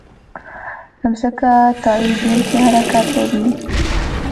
ځمکه تاوېدونکې حرکت لري.